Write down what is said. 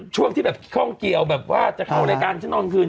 ช่วงที่แบบข้องเกี่ยวแบบว่าจะเข้ารายการฉันนอนคืน